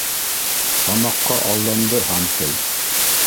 Тамаҡҡа алданды, һантый!